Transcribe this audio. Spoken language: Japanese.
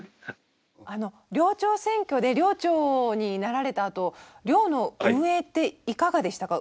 あの寮長選挙で寮長になられたあと寮の運営っていかがでしたか？